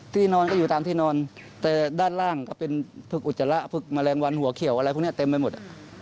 ที่นอนก็อยู่ตามที่นอนแต่ด้านล่างก็เป็นพึกอุจจาระพึกแมลงวันหัวเขียวอะไรพวกนี้เต็มไปหมด